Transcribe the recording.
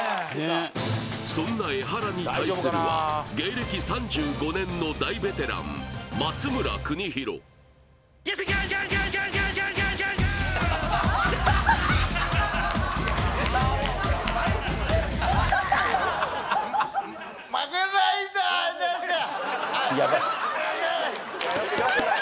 そんなエハラに対するは芸歴３５年の大ベテラン松村邦洋モグライダーです